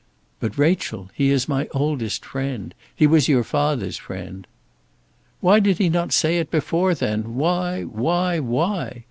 "But, Rachel, he is my oldest friend. He was your father's friend." "Why did he not say it before, then? Why why why